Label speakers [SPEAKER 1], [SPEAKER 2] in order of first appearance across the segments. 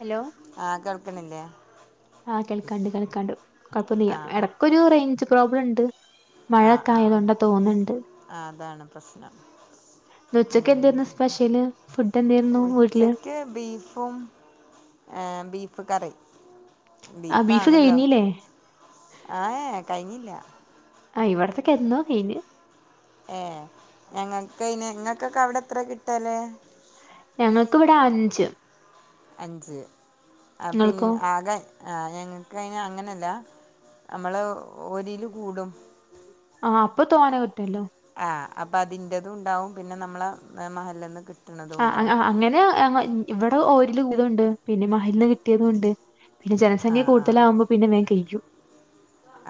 [SPEAKER 1] Hello
[SPEAKER 2] ആഹ് കേൾക്കണില്ലേ
[SPEAKER 1] ആ കേൾക്കണ്ട് കേ കണ്ടു കുഴപ്പമില്ല
[SPEAKER 2] ആഹ് ആഹ്
[SPEAKER 1] ഇടക്കൊ ഒരു റേഞ്ച് പ്രോബ്ലം ണ്ട്
[SPEAKER 2] ആഹ് ആഹ്
[SPEAKER 1] മഴക്കായതോണ്ടാ തോന്ന്ണ്ട്
[SPEAKER 2] ആഹ് അതാണ് പ്രശ്നം
[SPEAKER 1] ഇന്നുച്ചക്കെന്തേയ്രുന്നു സ്പെഷ്യല് ഫുഡ് എന്തായിരുന്നു വീട്ടില്
[SPEAKER 2] ഉച്ചക്ക് ബീഫും ഏഹ് ബീഫ് കറി
[SPEAKER 1] ആഹ് ബീഫ്
[SPEAKER 2] ബീഫാണല്ലോ
[SPEAKER 1] കഴിഞ്ഞില്ലേ
[SPEAKER 2] ആ ഏ കഴിഞ്ഞില്ല്യ
[SPEAKER 1] ആ് ഇവിടത്തൊക്കെ എന്നോ കയിഞ്ഞ്
[SPEAKER 2] ഏ ഞങ്ങൾക്കയ്ന് ങ്ങൾക്കൊക്കെ അവിടെ എത്രെ കിട്ടല്
[SPEAKER 1] ഞങ്ങക്ക് ഇവിടെ അഞ്ച്
[SPEAKER 2] അഞ്ച് ആ
[SPEAKER 1] നിങ്ങൾക്കോ
[SPEAKER 2] പിന്നെ ആകെ ആ ഞങ്ങൾക്കതിന് അങ്ങനെയല്ല നമ്മൾ ഒരില് കൂടും
[SPEAKER 1] ആഹ് അപ്പൊ തോനെ കി ട്ടലോ
[SPEAKER 2] അപ്പൾ അതിന്റേതും ഉണ്ടാവും പിന്നെ നമ്മളെ മഹലെനും കിട്ടും
[SPEAKER 1] ആ അങ്ങനെ ഞങ്ങ ഇവിടെ ഓരില്തുണ്ട് പിന്നെ മഹൽന്ന് കിട്ടിയതും ഉണ്ട് പിന്നെ ജനസംഖ്യ
[SPEAKER 2] ആഹ് ആഹ്
[SPEAKER 1] കൂടുതലകുമ്പോ പിന്നെ വേ കഴിയും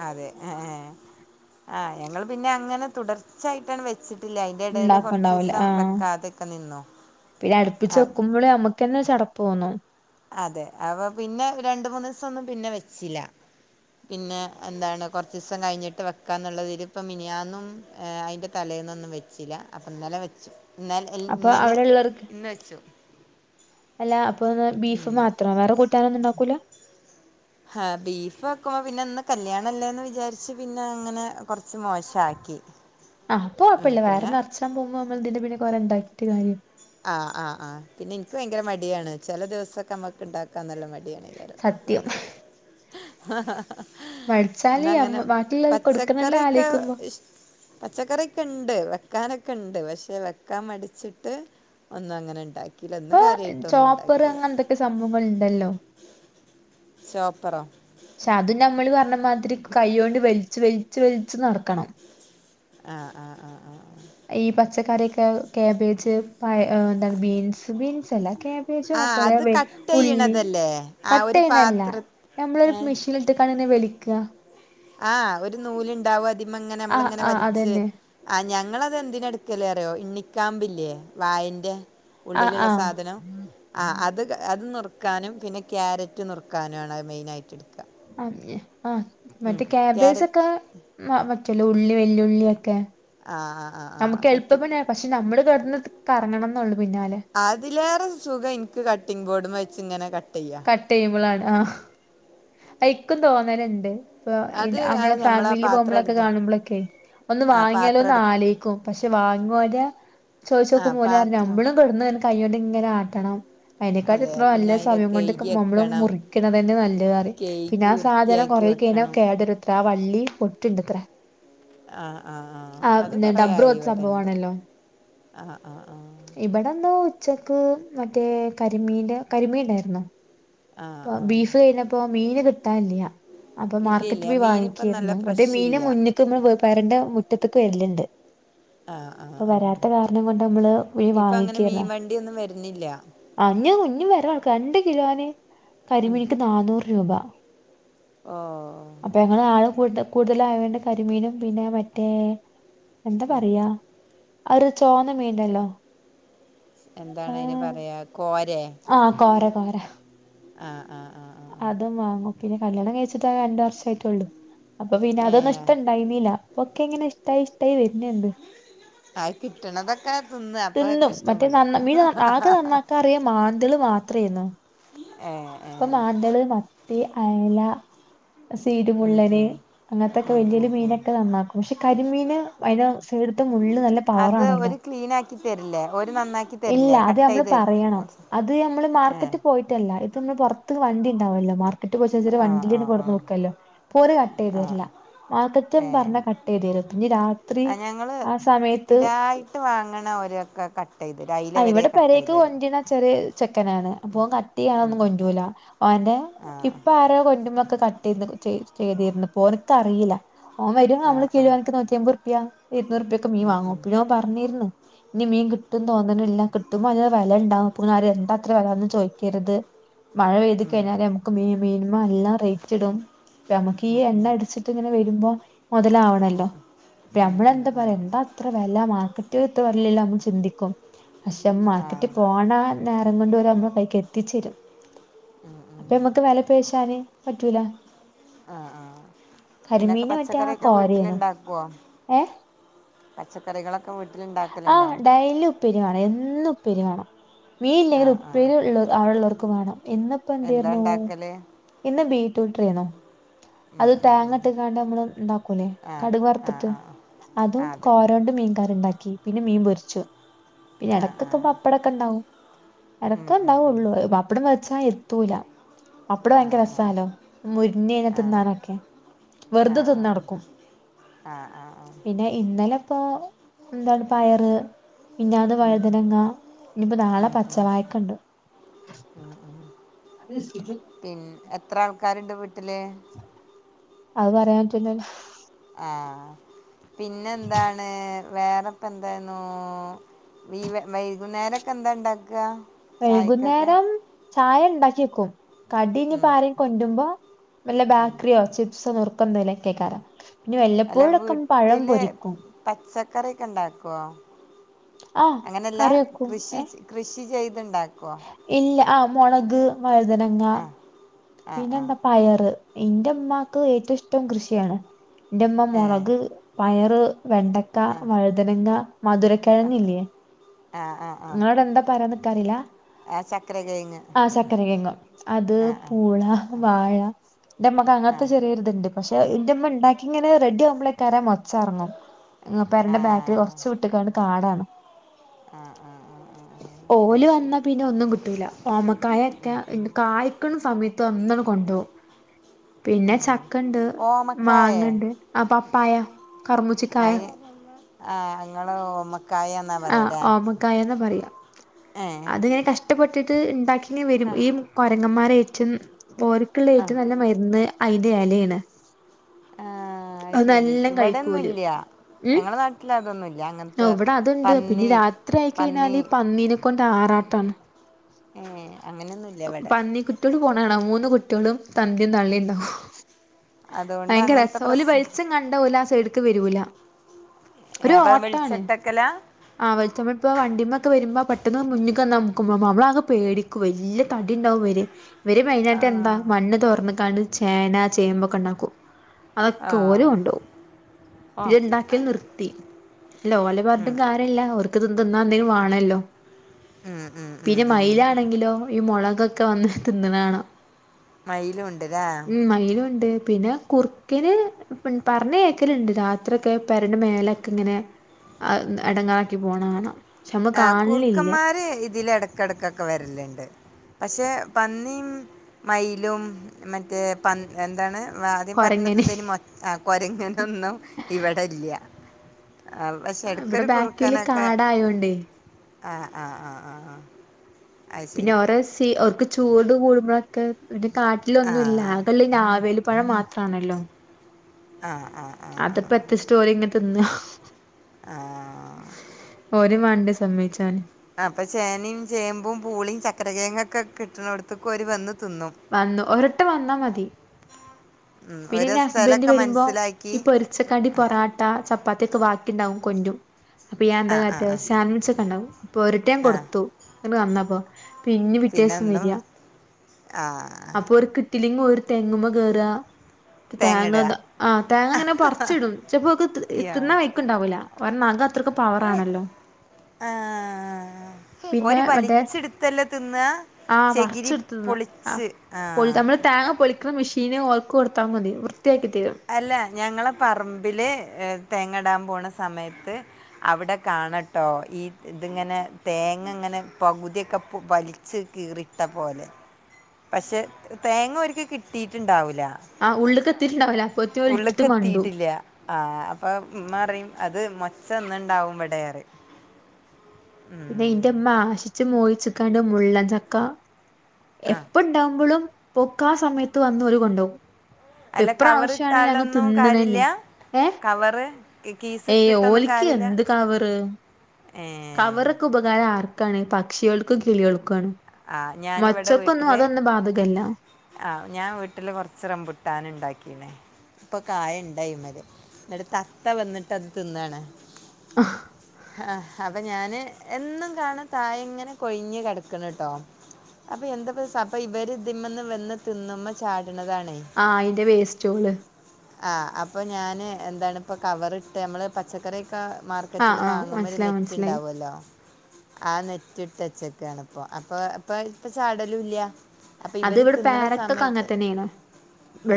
[SPEAKER 2] അതെ ഏ ഏ ആ ഞങ്ങൾ പിന്നെ അങ്ങനെ തുടർച്ചായിട്ടാണ് വെ വെച്ചിട്ടില്ല അതിറെ എടേൽ
[SPEAKER 1] ഇണ്ടാക്കണ്ടാവൂല
[SPEAKER 2] കുറചിസം
[SPEAKER 1] ആഹ്
[SPEAKER 2] വെക്കാതൊക്കെ നിന്നോ ആ
[SPEAKER 1] ക്കെന്നെ ചടപ്പ് തോന്നും
[SPEAKER 2] അതെ അപ്പൊ പിന്നെ രണ്ട മൂന്ന് ദിവസൊന്നും പിന്നെ വെച്ചില്ല പിന്നെ എന്താണ് കുറച്ച് ദിവസം കഴിഞ്ഞിട്ട് വെക്കാന്നുള്ളതിൽ ഇപ്പ മിനിയാന്നും അതിന്റെ തലേന്നൊന്നും വെച്ചില്ല അപ്പൊ ഇന്നലെ വെച്ചു ഇന്നലെ
[SPEAKER 1] അപ്പൊ
[SPEAKER 2] ഇന്നലെ
[SPEAKER 1] അവിടെ ഉള്ളവർക്ക്
[SPEAKER 2] ഇന്ന് വെച്ചു
[SPEAKER 1] അല്ല അപ്പൊ ബീഫ് ഇപ്പ മാത്രം വേറെ കിട്ടാനൊന് ഉണ്ടാക്കൂ കൂല
[SPEAKER 2] ആഹ് ബീഫ് വെക്കുമ്പോ പിന്നെ ഇന്ന് കല്യാണ അല്ലേന്ന് വിചാരിച്ചുപിന്നെ അങ്ങനെ കൊറച്ച് മോശക്കി
[SPEAKER 1] അപ്പോ കുഴപ്പമില്ല വയറ് നെറച്ച് പോകുമ്പോ നമ്മ ഇതിന്റെ പിന്നെ കൊറെ ഉണ്ടാക്കി ട്ട് കാര്യം
[SPEAKER 2] ആ ആ ആ പിന്നെ എനിക്ക് ഭയങ്കര മടിയാണ് ചില ദിവസൊക്കെ നമ്മുക്ക് ഇണ്ടാക്കാൻ നല്ല മടി യാ ഭയങ്കരം ആ ആ
[SPEAKER 1] മടിച്ചാൽ ഈ
[SPEAKER 2] ഇന്നങ്ങനെ
[SPEAKER 1] അമ് ബാക്കിയുള്ളോർക്ക് കൊടുക്കണല്ലോ
[SPEAKER 2] പച്ചക്കറിയൊക്കെ
[SPEAKER 1] ആലോചിക്കുമ്പോ
[SPEAKER 2] ഇഷ് പച്ചക്കറിയൊക്കെ ഉണ്ട് വെക്കാനൊക്കെ ഉണ്ട് പക്ഷേ വെക്കാൻ മടിച്ചിട്ട് ഒന്ന് അങ്ങനെ ഉണ്ടാക്കി
[SPEAKER 1] ഇപ്പൊ ചോപ്പറ് അങ്ങനെത്തെയൊക്കെ സംഭവങ്ങൾ ഉണ്ടല്ലോ
[SPEAKER 2] ചോപ്പറോ
[SPEAKER 1] പക്ഷെ അത് നമ്മള് പറഞ്ഞ മാതിരി കൈകൊണ്ട് വലിച്ച് വലിച്ച് വലിച്ച് നടക്കണം
[SPEAKER 2] ആ ആ ആ ആ ആ
[SPEAKER 1] ഈ പച്ചക്കറിയൊക്കെ കാബേജ് പ എന്താ ബീൻസ് ബീൻസ് അല്ല കാബേജും
[SPEAKER 2] ആഹ് അത്
[SPEAKER 1] അതുപോലെ
[SPEAKER 2] കട്ട്
[SPEAKER 1] ഉള്ളി
[SPEAKER 2] ചെയ്യണതല്ലേ ആ
[SPEAKER 1] കട്ട്
[SPEAKER 2] ഒരു
[SPEAKER 1] ചെയ്യുന്നല്ല
[SPEAKER 2] പാത്ര
[SPEAKER 1] നമ്മളൊരു മെഷീൻ ഇട്ടങ്ങാണ്ട് വെലി [unintelligible]
[SPEAKER 2] ആ ഒരു നൂല് ഉണ്ടാവും അതിമേ ഇങ്ങനെ
[SPEAKER 1] ആ
[SPEAKER 2] നമ്മള് ഇങ്ങനെ
[SPEAKER 1] ആ
[SPEAKER 2] വലിച്ച്
[SPEAKER 1] അതന്നെ
[SPEAKER 2] ആ ഞ ങ്ങള് അതെന്തിനാ എടുക്കല് അറിയോ ഇണ്ണിക്കാമ്പില്ലേ വാഴേന്റെ
[SPEAKER 1] ആ
[SPEAKER 2] ഉള്ളിലുള്ള
[SPEAKER 1] ആ
[SPEAKER 2] സാധനം ആ അത് അത് നുറു കാനും പിന്നെ ക്യാരറ്റ് നുറുക്കാനും ആണ് അത് മെയിന് ആയിട്ട് ഇട്ക്ക
[SPEAKER 1] എ ആ മറ്റേ ക്യാബേജൊക്കെ
[SPEAKER 2] ക്യാരറ്റ്
[SPEAKER 1] മ ല ഉള്ളി വല്ലിള്ളിയൊക്കെ
[SPEAKER 2] ആഹ് ആഹ് ആഹ് ആഹ്
[SPEAKER 1] നമുക്ക്
[SPEAKER 2] പറ്റും
[SPEAKER 1] എളുപ്പപ്പണി പക്ഷെ നമ്മുടെ കെടന്ന് കറങ്ങണം ന്നാണ്.
[SPEAKER 2] അതിലേറെ സുഖം ഇൻക്ക് കട്ടിംഗ് ബോർഡും വെ ച്ചിങ്ങനെ ക
[SPEAKER 1] കട്ട് ചെയ്യുമ്പളാണ് ആഹ് അ ഇക്കും തോന്നല്ണ്ട് ഇപ്പ
[SPEAKER 2] അത് അത്
[SPEAKER 1] നമ്മളെ
[SPEAKER 2] നമ്മളാ
[SPEAKER 1] ഫാമിലി
[SPEAKER 2] പാത്രം
[SPEAKER 1] പോകുമ്പോളൊക്കെ
[SPEAKER 2] എടുത്ത്
[SPEAKER 1] കാണുമ്പോളൊക്കെ ഒന്ന്
[SPEAKER 2] ആഹ്
[SPEAKER 1] വാങ്ങിയാലോ
[SPEAKER 2] പാത്രം
[SPEAKER 1] ഒന്ന്
[SPEAKER 2] എടു
[SPEAKER 1] ആലോയിക്കും പക്ഷെ വാങ്ങുവ [unintelligible] ചോദിച്ചോക്കും
[SPEAKER 2] ആഹ്
[SPEAKER 1] ഓലറി
[SPEAKER 2] പാത്രം
[SPEAKER 1] നമ്മളും കിട്ന്ന് കയ്യോട് ഇങ്ങനെ ആട്ടണം അതിനെക്കാട്ടും
[SPEAKER 2] അതെ
[SPEAKER 1] ഇത്ര
[SPEAKER 2] പിന്നെ
[SPEAKER 1] നല്ല
[SPEAKER 2] അതിൻ്റെ
[SPEAKER 1] സമയം കൊണ്ട്
[SPEAKER 2] കഴുകി
[SPEAKER 1] നമ്മള്
[SPEAKER 2] വെക്കണം
[SPEAKER 1] മുറിക്കണതന്നെ നല്ലേ അറിം. പിന്നെ
[SPEAKER 2] കഴുകി
[SPEAKER 1] ആ സാധനം
[SPEAKER 2] വൃത്തിയാക്കി
[SPEAKER 1] കൊറെ കയിഞ്ഞ
[SPEAKER 2] വെക്കണം
[SPEAKER 1] കേടരുത്ര ആ വ ള്ളി ഒട്ട്ണ്ടത്ര
[SPEAKER 2] ആ ആഹ് ആ അത്
[SPEAKER 1] ഡബ്ബറ്
[SPEAKER 2] കൊറെയായി
[SPEAKER 1] പോലത്തെ
[SPEAKER 2] ഇവിടെണ്ട് ആഹ് ആഹ്
[SPEAKER 1] ഇവിടെ എന്തോ ഉച്ചക്ക് മറ്റേ കരിമീൻ്റെ കരിമീൻ ഇണ്ടായിരുന്നു
[SPEAKER 2] ആ ആ
[SPEAKER 1] ഇപ്പ
[SPEAKER 2] ആ
[SPEAKER 1] ബീഫ് കഴിഞ്ഞപ്പം മീന് കിട്ടാനില്ല്യ അപ്പൊ
[SPEAKER 2] ഇല്ലില്ല
[SPEAKER 1] മാർക്കറ്റ് പോയി
[SPEAKER 2] മീനിപ്പം നല്ല
[SPEAKER 1] വാങ്ങിക്കരുന്നു മറ്റേ മീന്
[SPEAKER 2] ഫ്രഷില്ല
[SPEAKER 1] മുന്ന്ക്ക് മ്മള് വ പെരന്റെ മുറ്റത്തക്ക് വരല്ണ്ട്
[SPEAKER 2] ആ ആ
[SPEAKER 1] അപ്പൊ
[SPEAKER 2] ആ
[SPEAKER 1] വരാത്ത കാരണം കൊണ്ട് മ്മള് പോയി വാങ്ങിക്കേരുന്ന്
[SPEAKER 2] ന്നില്ല
[SPEAKER 1] അഞ്ഞ കുഞ്ഞ് വരാ കൊളക്ക രണ്ട് കിലോനെ കരിമീനിക്ക് നാന്നൂറ് രൂപ
[SPEAKER 2] ആ
[SPEAKER 1] കു കൂടുതലായോണ്ട് കരിമീനും പിന്നെ മറ്റേ എന്താ പറയാ അ രു ചോന്ന മീണ്ടല്ലോ
[SPEAKER 2] എന്താണ് അതിന് പറയാ കോരെ
[SPEAKER 1] ആ കോര കോര
[SPEAKER 2] ആ ആ ആഹ്
[SPEAKER 1] അതും വാങ്ങും പിന്നെ കല്യാണം കഴിച്ചിട്ട് രണ്ട് വർഷം ആയിട്ടോള്ളു അപ്പൊ പിന്നെ
[SPEAKER 2] ഏ
[SPEAKER 1] അത് നഷ്ട ണ്ടായിന്നീല്ല പൊ ക്കെ ങ്ങനെ ഷ്ടായി ഇഷ്ടായി വ
[SPEAKER 2] ആയി കിട്ടണതൊക്കെ തിന്നുക അപ്പോൾ അതൊക്കെ
[SPEAKER 1] തിന്നും മറ്റേ
[SPEAKER 2] ഇഷ്ടപ്പെടും
[SPEAKER 1] സാനം മീൻ ആകെ നന്നാക്കാറിയാ മാന്തള് മാത്രേയിരുന്നു
[SPEAKER 2] ഏ ഏ
[SPEAKER 1] ഇപ്പം മാന്തള് മത്തി അയല
[SPEAKER 2] ഉം
[SPEAKER 1] സീരിമുള്ളന്
[SPEAKER 2] ഉം
[SPEAKER 1] അങ്ങനത്തൊക്കെ
[SPEAKER 2] ഉം
[SPEAKER 1] വല്ല്യ വല്ല്യ
[SPEAKER 2] ഉം ഉം
[SPEAKER 1] മീനൊക്കെ നന്നാക്കും പക്ഷെ കരിമീന് അതിന്റെ സൈടുത്തെ മുള്ള് നല്ല
[SPEAKER 2] അത്
[SPEAKER 1] പവറാണല്ലോ
[SPEAKER 2] ഓര് ക്ലീനാക്കി തരില്ലേ ഓര് നന്നാക്കി
[SPEAKER 1] ഇല്ല
[SPEAKER 2] തരില്ലേ
[SPEAKER 1] അത്
[SPEAKER 2] കട്ട്
[SPEAKER 1] മ്മള്
[SPEAKER 2] ചെയ്ത്
[SPEAKER 1] പറയണം അത് മ്മള് മാർക്കറ്റ്
[SPEAKER 2] ഏ
[SPEAKER 1] പോയിട്ടല്ല പുറത്ത് വണ്ടി ഉണ്ടാവല്ലോ മാർ [unintelligible] ചിലര്
[SPEAKER 2] ആഹ്
[SPEAKER 1] വണ്ടിന്ന് കൊണ്ടന്ന്
[SPEAKER 2] ആഹ്
[SPEAKER 1] കൊടുക്കല്ലോ ഓര് കട്ട്
[SPEAKER 2] ആഹ്
[SPEAKER 1] ചെയ്തരില്ല
[SPEAKER 2] ആഹ്
[SPEAKER 1] മാർക്കറ്റ്ന്ന്
[SPEAKER 2] ഏഹ്
[SPEAKER 1] പറഞ്ഞാ കട്ട് ചെയ്ത് തരും പിന്നെ രാത്രി
[SPEAKER 2] ആഹ് ഞങ്ങള്
[SPEAKER 1] ആ സമയത്ത്
[SPEAKER 2] സ്ഥിരായിട്ട് വാങ്ങണ ഓരൊക്കെ കട്ട് ചെയ്തരും അയില
[SPEAKER 1] ആ
[SPEAKER 2] വരെ
[SPEAKER 1] ഇവിടെ
[SPEAKER 2] കട്ട്
[SPEAKER 1] പെരേയ്ക്ക്
[SPEAKER 2] ചെയ്തരും
[SPEAKER 1] കൊണ്ടിരുന്നാ വെച്ചാല് ചെക്കനാണ് അപ്പോ കട്ട് ചെയ്യാനോ
[SPEAKER 2] ഉം
[SPEAKER 1] ടൂല ഓന്റെ
[SPEAKER 2] ആഹ്
[SPEAKER 1] ഇപ്പൊ ആരോ വണ്ടിമ്മല് കട്ട് ചെയ്തിരുന്നു ഇപ്പോന്ക്ക് അറിയില്ല ഓൻ വരും മ്മള്
[SPEAKER 2] ആഹ് ആഹ്
[SPEAKER 1] കിലോത്തിന് നൂറ്റിയമ്പതുറുപ്യാ ഇരുന്നൂറുപ്യാക്ക് മീൻ
[SPEAKER 2] ഉം
[SPEAKER 1] വാങ്ങും പിന്നെ ഓൻ പറഞ്ഞിരുന്ന് ഇനി മീൻ കിട്ടും തോന്നണില്ല കിട്ടുമ്പോൾ ഭയങ്കര വെലണ്ടാവും അപ്പോ ആരും എന്താ ഇത്ര വെലെന്ന് ചോദിക്കരുത് മഴ പെയ്ത് കഴിഞ്ഞാലെ നമുക്ക് മീൻ മീൻ നല്ല റേറ്റിടും നമ്മുക്ക് ഈ എണ്ണ അടിച്ചിട്ട് ഇങ്ങനെ വരുമ്പോ മുതലാവണല്ലോ നമ്മളെന്താ പറയാ എത്താ അത്ര വില മാർക്ക ത്ര വര്ലില്ലല്ലോ മ്മള് ചിന്തിക്കും പക്ഷെ മാർക്കറ്റിൽ
[SPEAKER 2] ആഹ്
[SPEAKER 1] പോണാൻ നേരം കൊണ്ട് ഓര് മ്മളെ കൈക്ക് എത്തിച്ചേരും അപ്പൊ നമ്മക്ക് വെല പേശാന് പറ്റൂല
[SPEAKER 2] ആഹ് ആ പിന്നൊക്കെ
[SPEAKER 1] കരിമീന്
[SPEAKER 2] പച്ചക്കറിയൊക്കെ വീട്ടില് ഇണ്ടാക്കുവോ
[SPEAKER 1] ഏഹ്
[SPEAKER 2] പച്ചക്കറികളൊക്കെ വീ
[SPEAKER 1] ആഹ് ഡെയിലി ഉപ്പേരി വേണം എന്നും ഉപ്പേരി വേണം മീൻ ഇല്ലേലും
[SPEAKER 2] ആഹ് ആഹ്
[SPEAKER 1] ഉപ്പേരി ള് അവുള്ളോർ ഒക്കെ വേണം ഇന്നിപ്പോ
[SPEAKER 2] എന്താ
[SPEAKER 1] എന്താരുന്നു
[SPEAKER 2] ഉണ്ടാക്കല്
[SPEAKER 1] ഇന്ന് ബീറ്റ്റൂട്ടിറിണോ
[SPEAKER 2] ഉം
[SPEAKER 1] അത്
[SPEAKER 2] ഉം ഉം
[SPEAKER 1] തേങ്ങ ഇട്ട്ങ്ങാണ്ട് നമ്മള് ഉണ്ടാക്കൂല്ലേ
[SPEAKER 2] ആഹ്
[SPEAKER 1] കടുക്
[SPEAKER 2] ആഹ്
[SPEAKER 1] വറുത്തിട്ട്
[SPEAKER 2] ആഹ്
[SPEAKER 1] അതും
[SPEAKER 2] ആഹ് അതെ
[SPEAKER 1] കോരോണ്ട് മീൻകറി ഉണ്ടാ പിന്നെ മീൻ പൊരിച്ചു പിന്നെ
[SPEAKER 2] ആഹ്
[SPEAKER 1] ഇടക്കൊക്കെ
[SPEAKER 2] ആഹ്
[SPEAKER 1] പപ്പടൊക്കെ ഇണ്ടാവും
[SPEAKER 2] ഉം
[SPEAKER 1] ഇടയ്ക്കെ
[SPEAKER 2] ഉം ഉം
[SPEAKER 1] ഉണ്ടാവൊള്ളൂ പപ്പടം വെ ച്ച എത്തൂല പപ്പടം ഭയങ്കര രസാലോ മൊരിഞ്ഞ്കഴിഞ്ഞാ
[SPEAKER 2] ആഹ്
[SPEAKER 1] തിന്നാനൊക്കെ വെറുതെ
[SPEAKER 2] ആഹ് ആഹ്
[SPEAKER 1] തിന്നുനടക്കും
[SPEAKER 2] ആഹ് ആഹ് ആഹ്
[SPEAKER 1] പിന്നെ ഇന്നലെ ഇപ്പോ എന്താണ് പയറ് പിന്നെ മിനിഞ്ഞാന്ന് വഴുതനങ്ങ ഇനിപ്പോ നാളെ പച്ചവയക്കയൊണ്ട്
[SPEAKER 2] ഉം ഉം പിന് എത്ര ആൾ കരണ്ട് വിട്ട് ട്ടില്
[SPEAKER 1] അത് പറയാൻ പറ്റൂലല്ലോ
[SPEAKER 2] ആഹ് പിന്നെ എന്താണ് വേറെപ്പ എന്താരുന്നു വൈകുന്നേരൊക്കെ എന്താ ഉണ്ടാക്കാ
[SPEAKER 1] വൈകുന്നേരം ചായ ഇണ്ടാക്കിയക്കും കടിഞ്ഞപ്പ
[SPEAKER 2] ഉം
[SPEAKER 1] ആരേം കൊണ്ടുമ്പോ വല്ലബേക്കറിയോ ചിപ്പ് [unintelligible]
[SPEAKER 2] ഉം അല്ല
[SPEAKER 1] പഴം
[SPEAKER 2] വീട്ടില്
[SPEAKER 1] പൊരിക്കും
[SPEAKER 2] പച്ചക്കറി ഒക്കെ ഇണ്ടാക്കുവോ
[SPEAKER 1] ആഹ്
[SPEAKER 2] അങ്ങനെയല്ല
[SPEAKER 1] കറി വെക്കും
[SPEAKER 2] കൃഷി
[SPEAKER 1] ഏ
[SPEAKER 2] കൃഷി ചെയ് ത്ണ്ടാക്ക്
[SPEAKER 1] ഇല്ല ആഹ് മൊളക് വഴുതനങ്ങ
[SPEAKER 2] ആഹ് ആഹ് ആഹ്
[SPEAKER 1] പിന്നെന്താ പയറ് എന്റെ ഉമ്മാക്ക് ഏറ്റോം ഇഷ്ടം കൃഷിയാണ് എന്റെമ്മ
[SPEAKER 2] ഏഹ്
[SPEAKER 1] മൊളക് പയറ് വെണ്ടക്ക
[SPEAKER 2] ആഹ്
[SPEAKER 1] വഴുതനങ്ങ മധുരക്കിഴങ്ങ്‌
[SPEAKER 2] ഒക്കെ
[SPEAKER 1] ഇല്ലേ
[SPEAKER 2] ആഹ് ആഹ് ആഹ്
[SPEAKER 1] നിങ്ങളോടെന്താ പറയണ ക്കറില്ലാ
[SPEAKER 2] ആ ചക്കര കിഴങ്ങ്
[SPEAKER 1] ആ ചക്കര തേങ്ങ അത്
[SPEAKER 2] ആഹ്
[SPEAKER 1] പൂള വാഴ നമുക്ക് അങനത്തെ
[SPEAKER 2] ആഹ്
[SPEAKER 1] ചെറിയൊരിതിണ്ട് പക്ഷെ ഇന്റെമ്മ ഉണ്ടാക്കി ഇങ്ങനെ റെഡി ആവുമ്പളേക്കാരി മച്ച എറങ്ങും
[SPEAKER 2] ആഹ്
[SPEAKER 1] പെരേന്റെ ബാക്കില്
[SPEAKER 2] ആഹ്
[SPEAKER 1] കൊറച്ച് വിട്ട്ക്കാണ്ട് കാടാണ്.
[SPEAKER 2] ആഹ് ആഹ് ആഹ് ആഹ് അത്
[SPEAKER 1] ഓല്
[SPEAKER 2] ശരി
[SPEAKER 1] വന്നാ പിന്നെ ഒന്നും കിട്ടൂല ഓമക്കായക്കെ കായ്ക്കണ സമയത്ത് വന്നണ കൊണ്ട്പോവും പിന്നെ
[SPEAKER 2] ഉം
[SPEAKER 1] ചക്കണ്ട്
[SPEAKER 2] ഓമക്കായേ
[SPEAKER 1] മാങ്ങണ്ട് ആ പപ്പായ. കർമ്മുച്ചിക്കായ
[SPEAKER 2] ആ ഞങ്ങൾ ഓമ്മ
[SPEAKER 1] ആഹ് ഓമക്കായന്ന പറയാ
[SPEAKER 2] ഏഹ്
[SPEAKER 1] അത്ങ്ങനെ കഷ്ടപ്പെ ത് ത്ത് ഇണ്ടാക്കി ഇനീം വരും ഈ കൊരങ്ങ് നമ്മാരേച്ചും ഓരുക്കുള്ള
[SPEAKER 2] ആഹ്
[SPEAKER 1] ഏറ്റവും നല്ല മരുന്ന് അയിന്റെ എലയാണ്
[SPEAKER 2] ആഹ്
[SPEAKER 1] അത്
[SPEAKER 2] ശെരി
[SPEAKER 1] നല്ലം കഴിക്കോല്
[SPEAKER 2] ഇവിടെൊന്നുംല്ല
[SPEAKER 1] ഉം
[SPEAKER 2] ഞങ്ങള നാട്ടിലതൊന്നു
[SPEAKER 1] ഇവിടെ അതുണ്ട് പിന്നെ രാത്രി ആയി
[SPEAKER 2] പന്നി
[SPEAKER 1] കഴിഞ്ഞാല് പന്നീനെ കൊണ്ട് ആറാട്ടാണ്
[SPEAKER 2] ഏഹ് അങ്ങനെയൊന്നുല്ല ഇവിടെ
[SPEAKER 1] പന്നിക്കുട്ടിയോള് പോണകാണാ മൂന്ന് കുട്ടി മറ്റോളും തന്തയും തള്ളയും ഉണ്ടാവും
[SPEAKER 2] അതുകൊണ്ട്
[SPEAKER 1] ഭയങ്കര രസാ
[SPEAKER 2] അങ്ങനത്തെ
[SPEAKER 1] ഓരു
[SPEAKER 2] പ്രശ്നം
[SPEAKER 1] വെളിച്ചം കണ്ടാല് ഓലാ സൈഡ് അടുത്ത് വരൂല ഒരു
[SPEAKER 2] ഏഹ് അപ്പൊ
[SPEAKER 1] ഓ ത്താണു
[SPEAKER 2] വെളിച്ചെട്ടക്കലാ
[SPEAKER 1] ആ വെളിച്ചമ്മ പ്പോ വണ്ടിമക്കെ വരുമ്പ പെ പെട്ടെന്ന് മുന്നക്ക്ന്ന നമക്ക്പ മമ്മളാകെ പേടിക്കും വലിയ തടി ഉണ്ടാവും വര് ഇവര് മെയിനായിട്ട് എന്താ
[SPEAKER 2] ആഹ്
[SPEAKER 1] മണ്ണ് തൊർന്ന കാണ്ട് ചേന ചേമ്പൊക്കെണ്ടാക്കും അതൊക്ക ഓര്
[SPEAKER 2] ആഹ്
[SPEAKER 1] കൊണ്ട് പോകും
[SPEAKER 2] ഓഹ്
[SPEAKER 1] പിന്നെ ഉണ്ടാക്കൽ നിർത്തി അല്ല ഓലിപാർഡും കാര്യല്ല ഓർക് തിന്നാ എന്തെങ്കിലും വേണല്ലോ
[SPEAKER 2] ഉം ഉം ഉം
[SPEAKER 1] പിന്നെ
[SPEAKER 2] ഉം
[SPEAKER 1] മയിലാണെങ്കിലോ ഈ മുളക ഒക്ക വന്ന് തിന്നണ കാണാം
[SPEAKER 2] മയിലും ഉണ്ട്ല്ലാ
[SPEAKER 1] പിന്നെ കുറുക്കന് പറഞ്ഞ കേക്കലുണ്ട് രാത്രിക്കെ പരണ്ട മേലൊക്കെ ഇങ്ങനെ അ എടങ്ങറാക്കി പോണകാണ
[SPEAKER 2] ആ കുർക്കന്മാര് ഇതില ഇടക്കിടക്കൊക്കെ വരലണ്ട് പക്ഷേ പന്നിയും മയിലും മറ്റേ പന് എന്താണ് ആദ്യം പറഞ്ഞത്
[SPEAKER 1] കൊരങ്ങന്
[SPEAKER 2] എന്തേ മ കൊരങ്ങനൊന്നും ഇവിടെ ഇല്ല പക്ഷേ
[SPEAKER 1] ആ ഇവിടെ
[SPEAKER 2] ഇടയ്ക്കൊരു
[SPEAKER 1] ബാക്കില് കാടായോണ്ടേ
[SPEAKER 2] അ അ ആഹ് അ അ
[SPEAKER 1] പിന്നെ ഓര സി ഓർക്ക് ചൂട് കൂടുമ്പഴൊക്ക ഒരുന്റെ
[SPEAKER 2] ആ
[SPEAKER 1] കാട്ടിലൊന്നും ഇല്ല അകല്ല ഞാവല് പഴ മാത്രമാണല്ലോ
[SPEAKER 2] ആ ആ ആ
[SPEAKER 1] അതപ്പോ എത് സ്റ്റോറിങ്ങ തിന്ന
[SPEAKER 2] ആഹ
[SPEAKER 1] വേണ്ടേ സമ്മയ്ച്ചാന്
[SPEAKER 2] അപ്പൊ ചേനയും ചേമ്പും പൂളിയും ചക്കരക്കിഴങ്ങ് കിട്ടണട്ത്ക്ക് ഒര് വന്ന് തിന്നും
[SPEAKER 1] വന്നു ഒരട്ട വന്നാ മതി
[SPEAKER 2] ഉം.
[SPEAKER 1] പിന്നെ
[SPEAKER 2] ഓരോ
[SPEAKER 1] എന്റെ ഹസ്ബൻഡ്
[SPEAKER 2] സ്ഥലമൊക്കെ
[SPEAKER 1] വരുമ്പോ
[SPEAKER 2] മനസ്സിലാക്കി
[SPEAKER 1] ഈ പൊരിച്ചകടി പൊറോട്ട ചപ്പാത്തി ഒക്കെ വാക്കിണ്ടാവും കൊണ്ടും അപ്പൊ ഞാൻ
[SPEAKER 2] ആ
[SPEAKER 1] എന്താ
[SPEAKER 2] ആ
[SPEAKER 1] കാട്ട
[SPEAKER 2] ആ
[SPEAKER 1] സാൻഡ്വിച്ച് ഒക്കെ ഉണ്ടാവും അപ്പൊ ഒരു ടൈം
[SPEAKER 2] ആ
[SPEAKER 1] കൊടുത്തു [unintelligible] വന്നപ്പോ പിന്നെ പിറ്റേദിവസം വരാ
[SPEAKER 2] ആ
[SPEAKER 1] അപ്പൊ ഒരുക്ക്ട്ട ലിങ് ഒരു തെങ്ങുമ കേയറാ
[SPEAKER 2] തേങ്ങ ഇടുക
[SPEAKER 1] തേങ്ങന്താ ആ തേങ്ങ ഇങ്ങനെ പറിച്ചിടും ചെപ്പോ
[SPEAKER 2] യാ
[SPEAKER 1] തിന്നാ വഴക്കുണ്ടാവൂല കാര നങ്ക അത്രക്കെ പവറ ആണല്ലോ
[SPEAKER 2] ആ.
[SPEAKER 1] പിന്നെ
[SPEAKER 2] ഒരു
[SPEAKER 1] മറ്റേ
[SPEAKER 2] വലിച്ചെടുത്തല്ല തിന്നുക
[SPEAKER 1] ആഹ
[SPEAKER 2] ചകിരി
[SPEAKER 1] പറിച്ചടുത് തിന്ന ആ
[SPEAKER 2] പൊളിച്ച്
[SPEAKER 1] പൊ നമ്മള് തേങ്ങ പൊളിക്കുന്ന മെഷീന് പോൽ കൊടുത്താ മതി വൃത്തിയാക്കി തരും
[SPEAKER 2] അല്ല ഞങ്ങളെ പറമ്പില് തേങ്ങടാ പോണ സമയത്ത് അവിടെ കാണട്ടോ ഈ ഇതിങ്ങനെ തേങ്ങ ഇങ്ങനെ പകുതിയൊക്കെ വലിച്ചച്ച് കീറിട്ട പോലെ പക്ഷെ തേങ്ങ ഒരീക്ക് കിട്ടിട്ടുണ്ടാവൂല ല
[SPEAKER 1] ആഹ് ഉള്ള്ക്ക് എത്തിയിട്ടുണ്ടാവില്ല അപ്പോത്തിന് ഓല്
[SPEAKER 2] ഉള്ള
[SPEAKER 1] ഇട്ടിട്ട് മണ്ടും
[SPEAKER 2] എത്തിട്ടില്ല ആ അപ്പം ഉമ്മറയും അത് മൊച്ചന്നുണ്ടാവും വിടെ പറിം
[SPEAKER 1] പിന്നെ എന്റെമ്മ ആ വച്ച മോയിച്ചക്കണ്ട് മുള്ളൻചക്ക
[SPEAKER 2] ആ
[SPEAKER 1] എപ്പ ഉണ്ടാവുമ്പോളും. പൊക്കാ സമയത്ത് വന്നോര് കോണ്ടോവും
[SPEAKER 2] അല്ല കവർ
[SPEAKER 1] ഇപ്രാവശ്യമാണ് ഞങ്ങ
[SPEAKER 2] ഇട്ടാലൊന്നും കാര്യമില്ല
[SPEAKER 1] തിന്നണന്നെ ഏ
[SPEAKER 2] കവറ് കീസ്
[SPEAKER 1] ഏയ്
[SPEAKER 2] ഇട്ടിട്ടൊന്നും
[SPEAKER 1] ഓലിക്ക്
[SPEAKER 2] കാര്യമില്ല
[SPEAKER 1] എന്ത് കവറ്
[SPEAKER 2] ഏ
[SPEAKER 1] കവറൊക്കെ ഉപകാരം ആർക്ക കാണ പാക്ഷികൾക്ക്കും കിളികൾകും
[SPEAKER 2] ആ ഞാനിവിടെ
[SPEAKER 1] മച്ചക്കൊന്നും
[SPEAKER 2] വീട്ടിൽ
[SPEAKER 1] അതൊന്നും ബാധകമല്ല
[SPEAKER 2] ആ ഞാൻ വീട്ടില് കുറച് റംബുട്ടാൻ ഉണ്ടാക്കീണേ ഇപ്പൊ കായുണ്ടായി മര് എന്നിട്ട് തത്ത വന്നിട്ട് അത് തിന്നാണ്
[SPEAKER 1] ആഹ്
[SPEAKER 2] ആഹ് അപ്പൊ ഞാന് എന്നും കാണാൻ തായ ഇങ്ങനെ കൊഴിഞ്ഞ് കിടക്കണട്ടോ അപ്പൊ എന്താപ്പ ഇവര്തിന്ന് വന്ന് തിന്നുമ്മ ചാടി
[SPEAKER 1] ആ അതിന്റെ വേസ്റ്റോള്
[SPEAKER 2] ആഹ് അപ്പൊ ഞാന് എന്താണ് ഇപ്പ കവർട്ട് നമ്മള് പച്ചക്കറി
[SPEAKER 1] ആഹ്
[SPEAKER 2] മാർക്കറ്റന്ന്
[SPEAKER 1] ആഹ്
[SPEAKER 2] വാങ്ങുമ്പോ ഒരു
[SPEAKER 1] മനസ്സിലായി
[SPEAKER 2] നെറ്റ്
[SPEAKER 1] മനസ്സിലായി
[SPEAKER 2] ഉണ്ടാവുമല്ലോ ആ നെറ്റ് ജറ്റിട്ടച്ചൊക്കാണ് ഇപ്പൊ അപ്പൊ അപ്പൊ ഇപ്പ ചാടലും ഇല്ല
[SPEAKER 1] അത് ഇവിടെ പാരത്തൊക്കെ അങ്ങനെ തന്നെയാണ്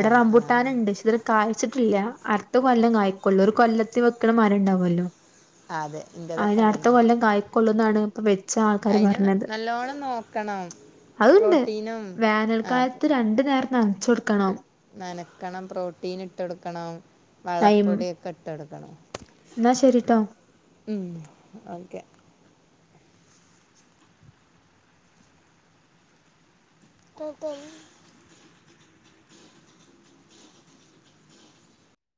[SPEAKER 2] ആ ആ
[SPEAKER 1] റമ്പൂട്ടാനണ്ട് ക്ഷ ഇതവരെ കായ്ച ഇല്ല അടുത്ത കൊല്ലം കായക്കൊള്ളൂ ഒരു കൊല്ലത്തിൽ വെക്കണ മരം ഉണ്ടാവുമല്ലോ
[SPEAKER 2] ആ അതെ
[SPEAKER 1] അന് അടുത്ത കൊല്ലം കായ്ക്കൊള്ളും അതാണ്
[SPEAKER 2] അയിന് നല്ലോണം നോക്കണം
[SPEAKER 1] അതുണ്ട്
[SPEAKER 2] പ്രോട്ടീ
[SPEAKER 1] വേനൽക്കാലത്ത് രണ്ട് നേര നനച്ചു കൊടുക്കണം.
[SPEAKER 2] നനക്കണം പ്രോട്ടീൻ ഇട്ടെടുക്കണം
[SPEAKER 1] അയിമ്
[SPEAKER 2] വളപ്പൊടിയൊക്കെ ഇട്ടെടുക്കണം.
[SPEAKER 1] എന്നാ ശരിട്ടോ
[SPEAKER 2] ഉം ഓക്കെ അത്ത [unintelligible]